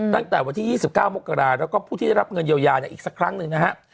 ตั้งแต่วันที่๒๙มกราคมแล้วผู้ที่จะรับเงินเยาวิทยาเนี่ยอีกสักครั้งหนึ่งนะฮะ